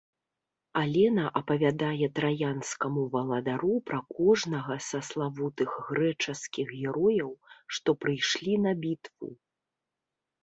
Алена апавядае траянскаму валадару пра кожнага са славутых грэчаскіх герояў, што прыйшлі на бітву.